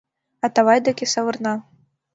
Атавай деке савырна.